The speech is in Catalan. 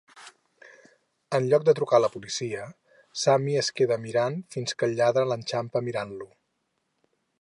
En lloc de trucar la policia, Sammy es queda mirant fins que el lladre l'enxampa mirant-lo.